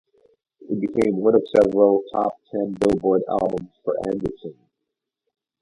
It became one of several top ten "Billboard" albums for Anderson.